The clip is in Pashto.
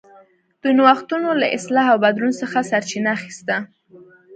د نوښتونو له اصلاح او بدلون څخه سرچینه اخیسته.